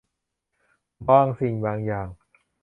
บางสิ่งบางอย่าง